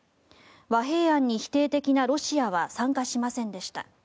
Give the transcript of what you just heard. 和平案に否定的なロシアは参加しませんでした。